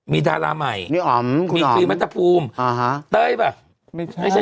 มีดาราใหม่นี่อ๋อมมีครีมมัตตาภูมิอ่าฮะเตยป่ะไม่ใช่